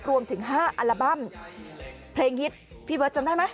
รวมถึง๕อัลบั้มเพลงฮิตพี่เบิร์ตจำได้ไหม